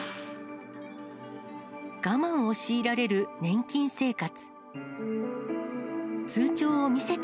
我慢を強いられる年金生活。